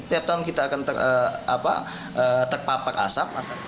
tiap tahun kita akan terpapar asap